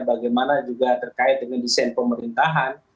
bagaimana juga terkait dengan desain pemerintahan